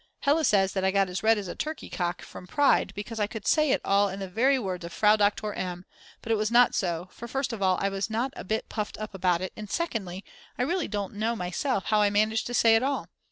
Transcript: Hella says that I got as red as a turkey cock from pride because I could say it all in the very words of Frau Doktor M., but it was not so, for first of all I was not a bit puffed up about it, and secondly I really don't know myself how I managed to say it all.